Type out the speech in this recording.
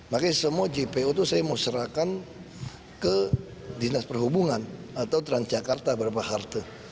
makanya semua jpo itu saya mau serahkan ke dinas perhubungan atau transjakarta berapa halte